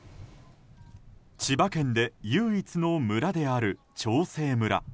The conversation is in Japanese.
千葉県で唯一の村である長生村。